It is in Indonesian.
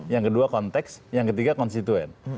yang kedua konteks yang ketiga konstituen